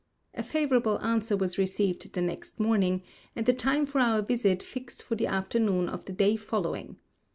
A favorable answer was received the next morning, and the time for our visit fixed for the afternoon of the day following.